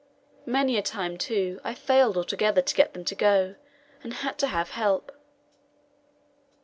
Many a time, too, I failed altogether to get them to go, and had to have help.